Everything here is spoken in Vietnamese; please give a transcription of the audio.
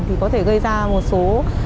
thì có thể gây ra một số